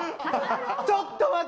ちょっと待って。